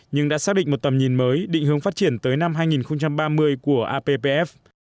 nhưng đã xác định một tầm nhìn mới định hướng phát triển tới năm hai nghìn ba mươi của appf